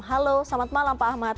halo selamat malam pak ahmad